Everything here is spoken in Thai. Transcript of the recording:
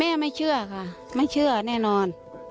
ไม่เชื่อค่ะไม่เชื่อแน่นอน